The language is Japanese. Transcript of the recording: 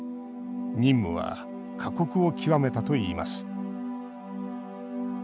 任務は過酷を極めたといいます。